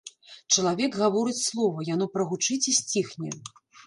Чалавек гаворыць слова, яно прагучыць і сціхне.